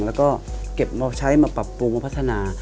แล้วก็เก็บมาใช้มาปรับปรุงมาพัฒนา